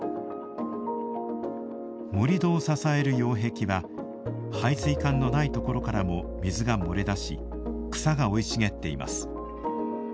盛土を支える擁壁は排水管のないところからも水が漏れ出し草が生い茂っています。